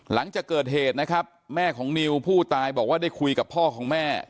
หลังจากเกิดเหตุนะครับแม่ของนิวผู้ตายบอกว่าได้คุยกับพ่อของแม่